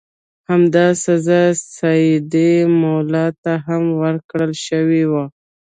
همدا سزا سیدي مولا ته هم ورکړل شوې وه.